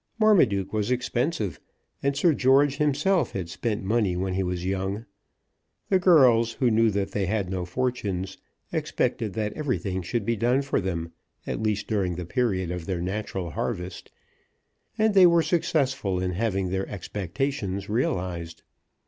Marmaduke was expensive, and Sir George himself had spent money when he was young. The girls, who knew that they had no fortunes, expected that everything should be done for them, at least during the period of their natural harvest, and they were successful in having their expectations realised.